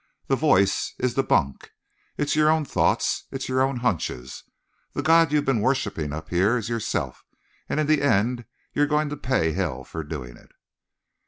The voice is the bunk. It's your own thoughts. It's your own hunches. The god you've been worshiping up here is yourself, and in the end you're going to pay hell for doing it.